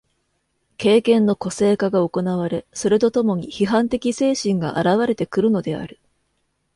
経験の個性化が行われ、それと共に批判的精神が現われてくるのである。